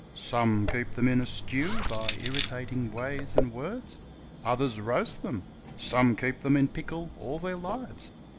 Some keep them in a stew, by irritating ways and words ; others roast them ; some keep them in pickle all their lives.